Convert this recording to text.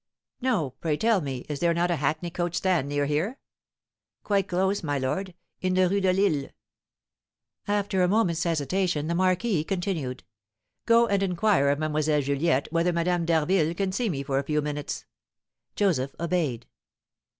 "No. Pray tell me, is there not a hackney coach stand near here?" "Quite close, my lord, in the Rue de Lille." After a moment's hesitation, the marquis continued: "Go and inquire of Mlle. Juliette whether Madame d'Harville can see me for a few minutes." Joseph obeyed.